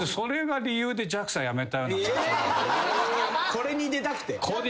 これに出たくて？